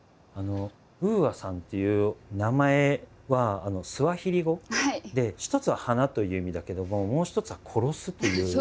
「ＵＡ」さんという名前はスワヒリ語で一つは「花」という意味だけどももう一つは「殺す」という意味。